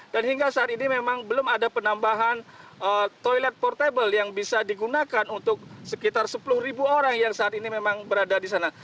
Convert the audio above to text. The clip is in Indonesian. dan hingga saat ini memang belum ada penambahan toilet portable yang bisa digunakan untuk sekitar sepuluh orang yang saat ini memang berada di sana